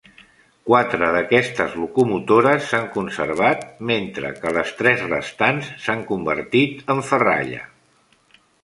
Quatre d'aquestes locomotores s'han conservat, mentre que les tres restants s'han convertit en ferralla.